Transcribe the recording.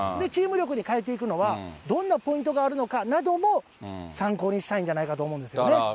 チーム力に変えていくのは、どんなポイントがあるのかなども参考にしたいんじゃないかと思うんですよね。